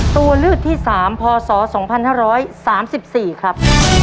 ตัวลืดที่๓พอสอ๒๕๓๔ครับ